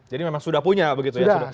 jadi memang sudah punya begitu ya